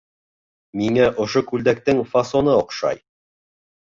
Миңә ошо күлдәктең фасоны оҡшай